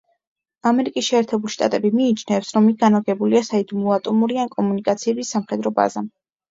ამერიკის შეერთებული შტატები მიიჩნევს, რომ იქ განლაგებულია საიდუმლო ატომური ან კომუნიკაციების სამხედრო ბაზა.